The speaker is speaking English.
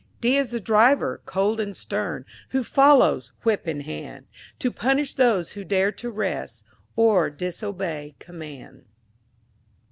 D is the Driver, cold and stern, Who follows, whip in hand, To punish those who dare to rest, Or disobey command.